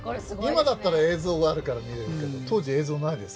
今だったら映像があるから見れるけど当時映像ないですから。